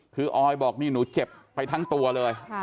คือออยบอกนี่หนูเจ็บไปทั้งตัวเลย